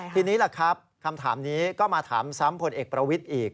ทีนี้แหละครับคำถามนี้ก็มาถามซ้ำผลเอกประวิทย์อีก